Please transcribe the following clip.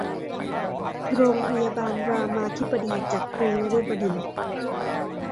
โรงพยาบาลรามาธิบดีจักรีนฤบดินทร์